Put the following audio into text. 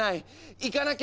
行かなきゃ！